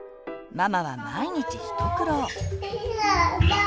ママは毎日一苦労。